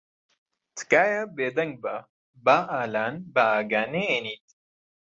تکایە بێدەنگ بە با ئالان بە ئاگا نەھێنیت.